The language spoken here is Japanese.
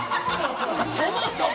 そもそも？